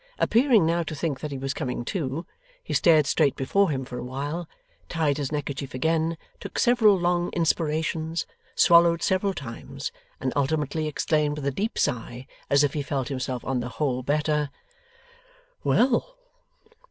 Appearing now to think that he was coming to, he stared straight before him for a while, tied his neckerchief again, took several long inspirations, swallowed several times, and ultimately exclaimed with a deep sigh, as if he felt himself on the whole better: 'Well!